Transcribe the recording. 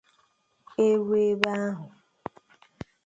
E ruo ebe ahụ